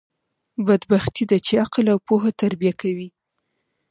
بدبختي ده، چي عقل او پوهه تربیه کوي.